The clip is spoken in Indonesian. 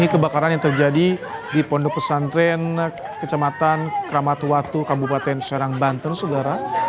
kebakaran di pondok pesantren di kecamatan kramat watu kabupaten serang banten saudara